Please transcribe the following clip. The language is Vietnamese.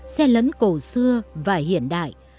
xe lẫn cổ xưa và hiện đại